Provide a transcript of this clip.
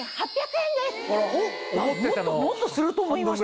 もっともっとすると思いました。